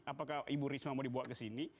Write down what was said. apakah ibu risma mau dibuat kesini